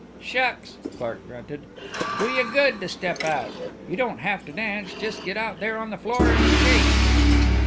"Shucks!" Clark grunted. "Do you good to step out. You don't have to dance just get out there on the floor and shake."